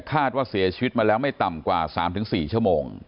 คาดว่าเสียชีวิตมาแล้วไม่ต่ำกว่า๓๔ชั่วโมง